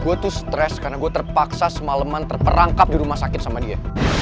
gue tuh stres karena gue terpaksa semaleman terperangkap di rumah sakit sama dia